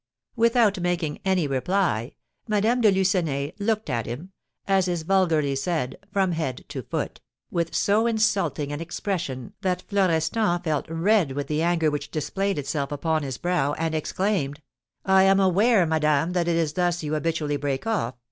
Without making any reply, Madame de Lucenay looked at him, as is vulgarly said, from head to foot, with so insulting an expression that Florestan felt red with the anger which displayed itself upon his brow, and exclaimed: "I am aware, madame, that it is thus you habitually break off.